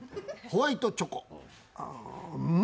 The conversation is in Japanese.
ホワイトチョコ。